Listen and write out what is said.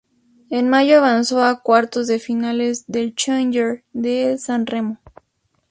En mayo avanzó a cuartos de final del Challenger de San Remo.